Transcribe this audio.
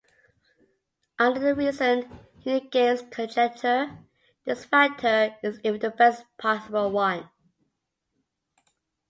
Under the recent Unique Games Conjecture, this factor is even the best possible one.